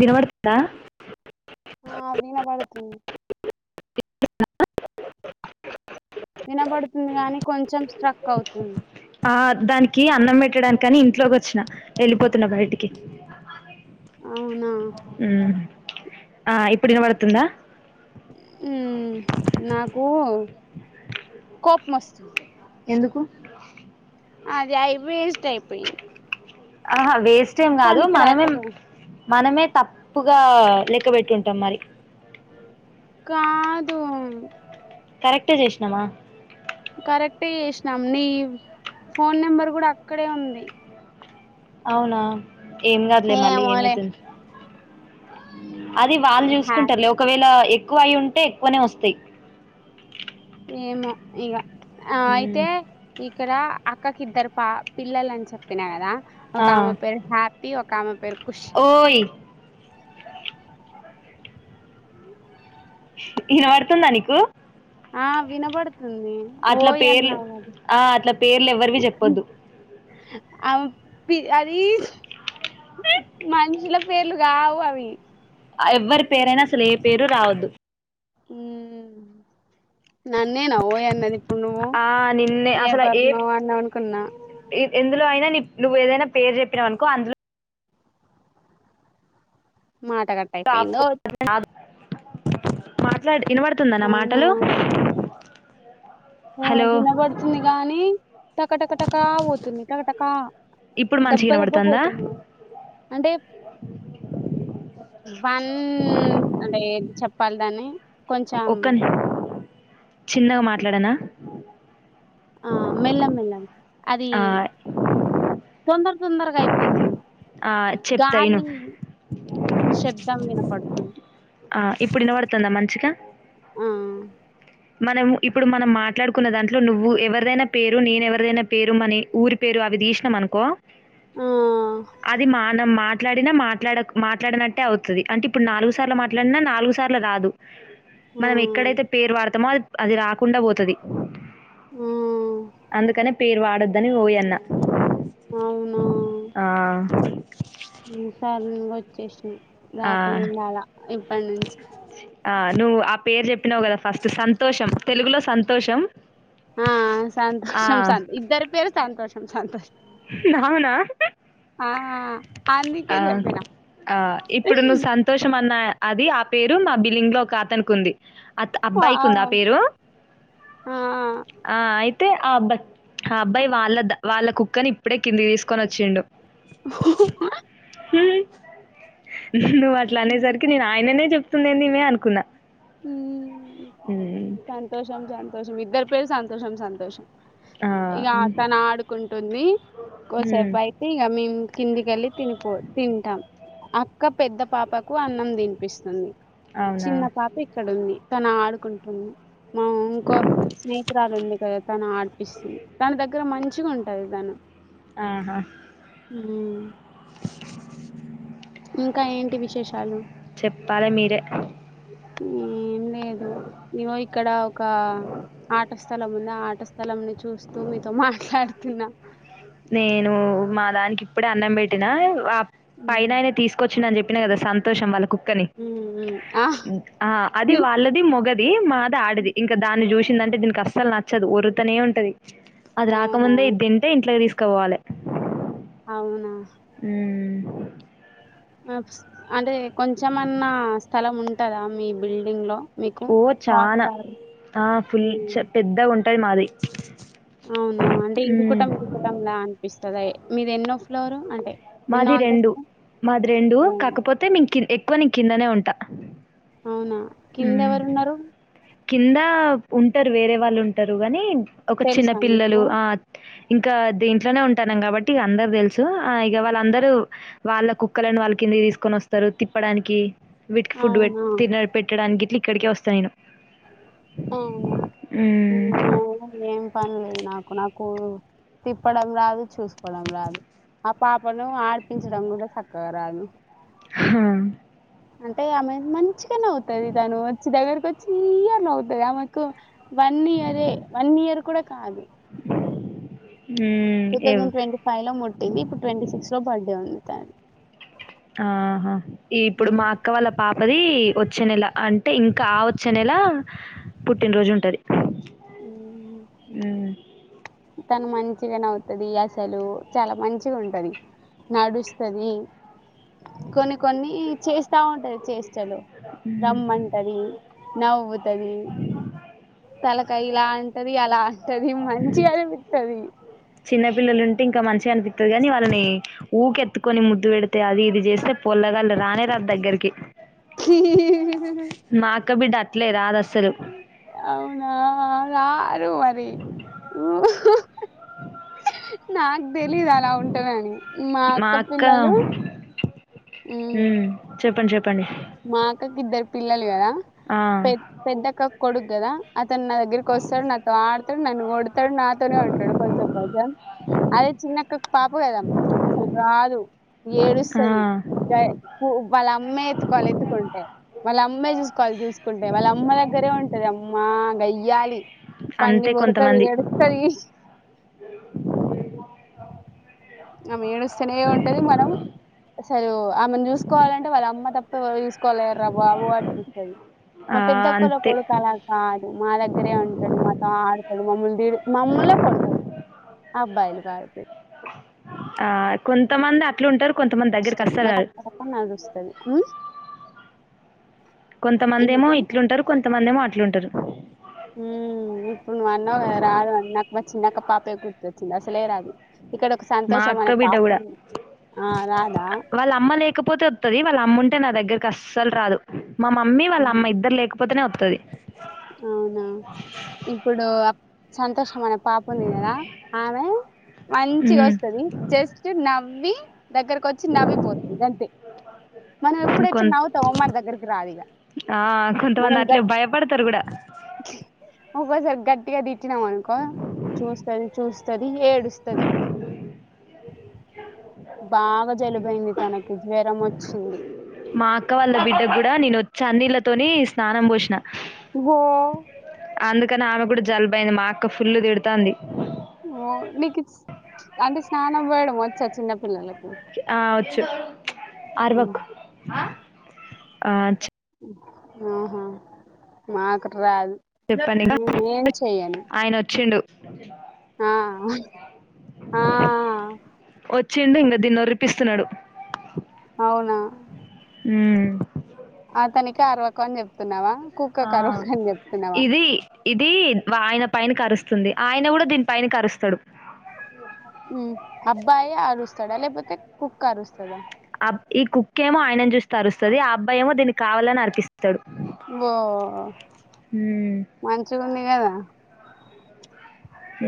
వినవడుతుందా ఆ వినబడుతుంది వినబడుతుంది గాని కొంచెం స్ట్రక్ అవుతుంది ఆ దానికి అన్నం పెట్టడానికని ఇంట్లోకి వచ్చిన వెళ్ళిపోతున్నా బయటికి అవునా హ్మ్ ఆ ఇప్పుడు వినపడుతుందా ఉమ్ నాకు కోపం వస్తుంద్ ఎందుకు అది ఐ వి ప్ టైప్ పెయిన్ ఆహా వేసా ఇష్టం కాదు మనమే రాకుండా మనమే తప్పుగా లెక్క పెట్టింటామ్ మరి కాదు కరెక్టే చేసినామా కరెక్టే చేసినాం నీ ఫోన్ నెంబర్ కూడా అక్కడే ఉంది అవునా ఏం కాదులే మళ్ళీ ఏమోలే ఏమైతుంది అది వాళ్ళు హా చూసుకుంటారులే ఒకవేళ ఏం ఎక్కువ అయి ఉంటే ఎక్కువనే వస్తాయి ఏమో ఇగ ఆ ఉమ్ అయితే ఈ ఇక్కడ అక్కకిద్దరు పా పిల్లలు అని చెప్పిన గదా ఒక ఆ ఆమె పేరు హ్యాపీ ఒక ఆమె పేరు ఖుషి ఓయ్ ఇనపడుతుందా నీకు ఆ వినబడుత్ అట్ల పేర్లు ఆ అట్ల పేర్లు ఎవ్వరివి చెప్పొద్దు అవ్ పి అది మనుషుల పేర్లు గావవి ఆ ఎవ్వరి పేరైనా అసలు ఏ పేరు రావద్దు హ్మ్ నన్నేనా ఓయ్ అన్నది ఇప్పుడు నువ్వు ఆ నిన్నే అసలు ఏ ఎవర్నో అని అనుకున్నా పి నువ్వు ఏదైనా పేరు చెప్పినా అనుకో అందులో మాట కట్ అయిపోయిందో మాట్లాడ్ వినబడుతుందా నా అవునా మాటలు ఆ హలో వినబడుతుంది గానీ టకటకటకా పోతుంది టకటకా ఇప్పుడు మంచిగా దబ్బ దబ్బ వినబడుతుందా పోతుంది అంటే వన్ అంటే చెప్పాలి దాన్ని కొంచెం ఒక్కని చిన్నగా మాట్లాడనా ఆ మెల్ల మెల్లం అది ఆ, తొందర్ తొందరగా అయిపోతుంది ఆ, చెప్తా ఇను గాలి శబ్దం వినపడుతుంది ఆ ఇప్పుడు వినబడతాందా మంచిగా హూ మనం ఇప్పుడు మనం మాట్లాడుకున్న దాంట్లో నువ్వు ఎవరిదైనా పేరు నేను ఎవరిదైనా పేరు మనీ ఊరి పేరు అవి తీసినాం అనుకో ఆ అది మానం మాట్ మాట్లాడినా మాట్లాడ మాట్లాడినట్టే అవుతుంది అంటే ఇప్పుడు నాలుగు సార్లు మాట్లాడినా నాలుగు సార్లు రాదు ఆ మనం ఎక్కడైతే పేరు వాడ్ మా [unintelligible] అది రాకుండా పోతది ఆ అందుకనే పేరు వాడ అని ఓయ్ అన్న అవునా ఆ! హ్మ్ సర్ చేసినవ్ ఆ! రాకుండా ఉండాల ఇప్పటి నుంచి ఆ! నువ్వు ఆ పేరు చెప్పినావు కదా ఫస్ట్ సంతోషం తెలుగులో సంతోషం ఆ ఆ! సంతోషం స ఇద్దరి పేరు సంతోషం సంతోషం నావునా ఆ అందుకే అ చెప్పిన ఆ ఇప్పుడు నువ్వు సంతోషం అన్నా అది ఆ పేరు మా బిల్లింగ్ లో ఒక అతనికి ఉంది అత్ అబ్బాయికి ఉందా పాపం పేరు ఆ ఆ అయితే ఆ అబ్బాయి ఆ అబ్బాయి వాళ్ళ వాళ్ళ కుక్కని ఇప్పుడే కిందికి తీసుకొని వచ్చిండు ఉహ్ హు హుమ్ నువ్వు అట్లా హ్మ్. అనేసరికి నేను ఆయననే చెప్ వుతుందేమో అనుకున్న హూ మ్ సంతోషం సంతోషం ఇద్దరు పెరు సంతోషం సంతోషం ఆ ఇక తన ఆడుకుంటుంది హ్మ్ కోసేపు అయితే ఇక మేం కింది కెల్లి తినిపో తింటాం అక్క పెద్ద పాపకు అన్నం తినిపిస్తుంది అవునా చిన్న పాప ఇక్కడ ఉంది తన ఆడుకుంటుంది మా ఇంకో స్నేహితురాలు ఉంది కదా తన ఆడిపిస్తుంది తన దగ్గర మంచిగా ఉంటది తను ఆహా ఇంక ఏంటి విశేషాలు చెప్పాలి మీరే హ్మ్మ్ లేదు ఈవో ఇక్కడ ఒక ఆట స్థలం ఉంది ఆ ఆట స్థలం ని చూస్తూ మీతో మాట్లాడుతున్నా నేనూ మా దానికి ఇప్పుడే అన్నం బెట్టినా ఉ పైనాయన తీసుకొచ్చిన అని జెప్ జెప్పిన కదా సంతోషం వాళ్ళకు తని ఉ ఉ ఆ అ అది వాళ్ళది మొగ ఏమ్మా అది ఆడది ఇంకా దాన్ని చూసిందంటే దీనికి అస్సలు నచ్చ చదువూరుతనే ఉంటది అది రాక అవునా ముందే ఇది తింటే ఇంట్లోకి తీసుకు కొవాలె అవునా ఆ అంటె కొంచమన్నా స్థలం ఉంటదా మీ బిల్డింగ్ లో ఓ చానా ఆ ఫుల్ హ్మ్. చ పెద్ద ఉంట పైది మాది అవునా అంటె హ్మ్. ఇరుకుటం ఇరుకుటంలా అనిపిస్తదే మీది ఎన్నో ఫ్లోరు అంటే ఎన్నో మాది రెండు అంతస్తు? మాది రెండు కాకపోతే మేం కిందే ఎక్ ఎక్కువ నే కిందనే ఉంటా అవునా! ఊ కిందెవరున్నారు? కిందా ఉంటారు వేరే వాళ్ళు ఉంటారు గాని ఒక చిన్న తెలుసా మీకు? పిల్లలు ఆట్ ఇంకా దీంట్లోనే ఉంటాన్నాం కాబట్టి అందరు తెలుసు ఐయ్ ఇ వాళ్ళందరూ వాళ్ళ కుక్కలను వాళ్ళ కిందకి తీసుకొని వస్తారు తిప్పడానికి విట్ ఫుడ్ అవునా! తిని పెట్టడానికి ఇక్కడికి వస్తా నేను హ్మ్. అవునే ఏం పనిలేదు నాకు నాకు ఓహో తిప్పడం రాదు చూసుకోవడం రాదు ఆ పాపను ఆడిపించడం కూడా చక్కగా రాదు హా అంటే ఆమె మంచిగ నవ్వుతాది తను వచ్చి దగ్గరకు వచ్చి ఈ అని నవ్వుతాది ఆమెకి వన్ ఇయర్ యే వన్ ఇయర్ కూడా కాదు హ్మ్. టూ ఎవ్ థౌజండ్ ట్వంటీ ఫైవ్ లో ముట్టింది ఇప్పుడు ట్వంటీ సిక్స్ లో బర్త్డే ఉంది తాడు ఆహా ఈ ఇప్పుడు మా అక్క వాళ్ళ పాపది వ చ్చే నెల అంటే ఇంకా ఆ వచ్చే నెల పుట్టినరోజు ఉంటది హ్మ్ తను మంచిగా నవ్వుతది అసలు చాలా మంచిగుంటది నడుస్తది కొన్ని కొన్ని చేస్తా ఉంటది చేస్టలు హ్మ్. రమ్మంటది నవ్వుతుంది తల కైలాం ది అలా అంటది మంచి అది చిన్న పిల్లలుంటే ఇంకా మంచి మంచిగా అనిపిస్తుంది కాని వాళ్ళని ఊకెత్తుకొని ముద్దు పెడితే అది ఇది చేస్తే పొల్లగాళ్ళ రానే రాదు దగ్గరికి మా [unintelligible] అక్క బిడ్డ అట్లే రాదు అ అవునా నా వరి ఓ నాకు తెలీదు అలా ఉంటానని మా అక్క మ్మ్ హ్మ్ చెప్పండి చెప్పం పండి మా అక్కకి ఇద్దరు పిల్లలు కదా ఆ! పెద్ పెద్దక్క కొడుకు కదా అతను నా దగ్గర వస్తాడు నాతో ఆడతాడు నన్ను కొడతాడు నాతోనే ఉంటాడు కొంచెం కొం అదే చిన్నక్క పాప కదా అసలు రాదు ఆ! ఏడుస్తది ఊఉ వాళ్ల అమ్మే ఎ కొలెత్తుకుంటాయి వాళ్ళ అమ్మే చూసుకోలి చూసుకుంటాయి వాళ్ళ అమ్మ దగ్గరే ఉంటది అమ్మా గయ్యాలి పండి అంతే బొరుతుది కొంతమంది. ఏడుస్తది ఆమె ఏడుస్త స్తనే ఉంటది మనం అసలు ఆమెను చూసుకోవాలంటే వాళ్ళ అమ్మ తప్ప ఓయ్ కొలేర్ర బాబు అనిపిస్తుది మా ఆ! పెద్దక్కొల్ల అంతే. కొడుకు అలా కాదు మా దగ్గరే ఉంటాడు మా ఆడతాడు మమ్మల్ని దడు మమ్మల్లే కొడతాడు అబ్బాయిలు [unintelligible] ఆ కొంతమంది అట్లుంటారు కొంతమంది దగ్గరికి ఇస్తాడు అస్సలు రారు. మక్క నడుస్తది కొంతమంది ఏమో ఏంటి ఇట్లుంటారు కొంతమంది ఏమో అ ట్లుంటారు ఇప్పుడు నువ్ అన్నావ్ కదా రాదు అని నాకు వచ్చినదాకా పాపే గుర్తొచ్చింది అసలేరాదు మా అక్క బిడ్డ కూడా ఆ రాదా వాళ్ళ అమ్మ లేకపోతే వాతది వాళ్ళ అమ్ముంటే నా దగ్గరకి అస్సలు రాదు మా మమ్మీ వాళ్ళ అమ్మ ఇద్దరు లేక పోతనే వత్తది అవునా ఇప్పుడు అ సంతోష మన పాప ఉంది కదా ఆమె మంచిగా ఉమ్, వస్తది జస్ట్ నవ్వి దగ్గరకి వచ్చి నవ్విపోతది గంతే మనం ఎప్పుడు ఎక్కడ కొం- నవ్వుతాం అ మన దగ్గరకి రాదు ఇక ఆ, కొంతమంది మనం అట్లే గట్ భయపడతారు కూడా ఒకోసారి గట్టిగ ది కొట్టినవ్ అనుకో చూస్తంది చూస్ ది ఏడుస్తాది బాగా జలుబైంది తనకి జ్వరం వచ్చింది మా అక్క వాళ్ళ బిడ్డ కూడా నేను చన్నీళ్ళతోని స్నానం పోసిన వో అందుకని ఆమె కూడ జలుబు అయింది మా అక్క ఫుల్ తిడుతంది ఓ నీకు అంటే స్నానం పోయడం వచ్చా చిన్నపిల్లలకి ఆ చ్ అర్వక్ ఆ చ్ ఆహా మాకు రాద్ చెప్పండి ఇంకా ఆయన వచ్చిండు ఆ ఆ వచ్చిండు ఇంకా దీన్నొరిపిస్తున్నాడు అవునా హ్మ్ అతనికి అరవకు అని చెప్తున్నావా ఆ కుక్కకు అరవకు అని చెప్తున్నావా ఇది ఇది ఆయన పైనకి అరుస్తుంది రుస్తుంది ఆయన కూడా దీనిపైన అరుస్తడు హ్మ్ అబ్బాయి అరుస్ స్తాడలే [unintelligible] పోతే కుక్క అరుస్తదా అబ్ ఇ కుక్కేమో ఆయనన్జుస్తే అరుస్తది ఆ అబ్బాయేమో దీనికి కావాలని అర్పిస్ ఓ హ్మ్ మంచిగుంది గదా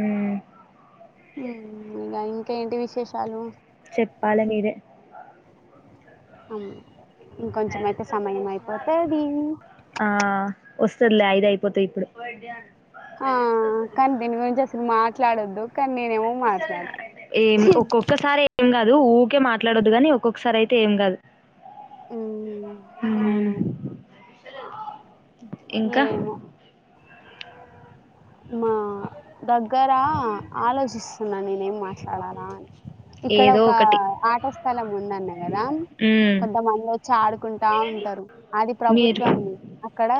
మ్మ్ హు ఇగ ఇంక్ ఇంకేటి విశేషాలు చెప్పాలె మీరే అం ఇంకొంచెం అయితే సమయం అయిపోతదీ వస్తద్లే ఐదు అయిపోతే ఇప్పుడు [unintelligible] మాట్లాడొద్దు కాని నేనేమో మాట్లాడతా ఏం ఒక్కొక్కసారి ఏం గాదు ఊకే మాట్లాడొద్దుగాని ఒక్కొక్కసారి అయితే ఏం కాదు ఉమ్ ఉమ్ అవునా ఇంక ఏమో మా దగ్గరా ఆలోచిస్ ఉన్నా నేనేం మాట్లాడాలా అని ఇక్కడ ఏదో ఒక ఒకటి ఆట స్థలం ఉందన్న కదా హ్మ్ కొంతమంది చ్చా ఆడుకుంటా ఉంటారు అది మీరు ప్రభుత్వంది ఇక్కడ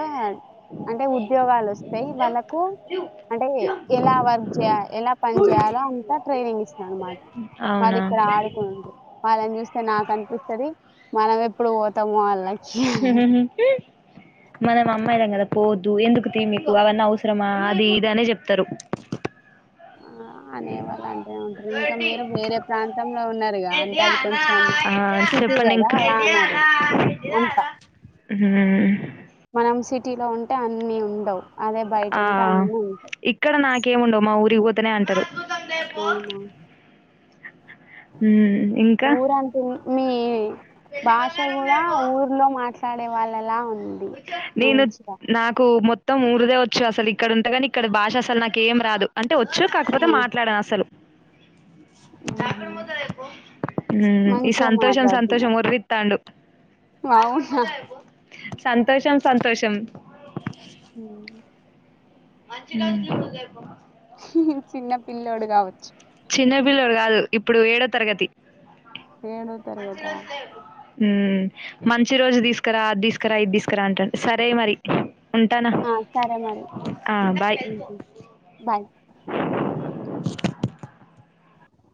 అంటే ఉద్యోగాలు వస్తాయి వాళ్ళకు అంటే ఎలా వర్క్ జేయ ఎలా పని జేయాలో అంతా ట్రైనింగ్ ఇస్తాం అనమాట వాళ్ళ అవునా ఇక్కడ ఆడకుండ్రు వాళ్ళని చూస్తే నాకు అనిపిస్తది మనం ఎప్పుడు పోతామో ఆళ్ళై మనం మా అమ్మాయి దగ్గర పోవొద్దు ఎందుకు తీనిదు అవనా అవసరమా అది ఇది అనే చెప్తారు ఆ అనే వాళ్ళంటనే ఉంటరు ఇంకా మీరు వేరే ప్రాంతంలో ఉన్నారుగా అంటే అది కొంచెం ఆ సిటీ చెప్పండి కదా ఇంక అలా అన్నారు అంతా హ్మ్ మనం సి టిలో ఉంటే అన్నీ ఉండవ్ ఆ ఇక్కడ నాకేముండవ్ మాఊరి రివ్పోతనే అంటరు అవున హ్మ్ ఇంకా ఊరంటే మీ మీ భాష కూడా ఊర్లో మాట్లా చాలే వాళ్ళలా ఉ నేను నాకు మొత్తం ఇప్పుడే వచా అసలిక్కడ ఉంటగాని ఇక్కడ భాష అసలు నాకెం రాదు అన్ అంటే వచ్చు ఆ కాకపోతే మాట్లాడా అసలు మ్మ్ మ్మ్ ఈ మంచిగా సంతోషం సంతోషం మాట్లాడుతున్నారు వొరీవితాండు అవునా [inaudible] సంతోషం సంతోషం మ్మ్. మంచిగా చూడు చిన్న పిల్లోడు కావచ్చు చిన్న పిల్లోడు కాదు ఇప్పుడు ఏడో తరగతి ఏడో తరగతా ఉ మ్ మంచి రోజు తీసకరా అది తీసకరా ఇది తీసకరా అంటండు సరే మరి ఉంటానా ఆ సరే మరి ఆ బాయ్ మ్మ్. బాయ్